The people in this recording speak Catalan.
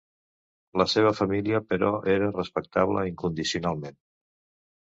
La seva família, però, era respectable incondicionalment.